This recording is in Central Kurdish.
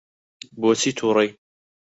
بۆچی تووڕەی؟